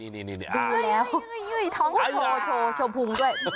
นี่อ่าะเฮ้ยท้องก็โชว์โชว์พุงด้วย